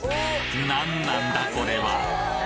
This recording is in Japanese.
なんなんだこれは！？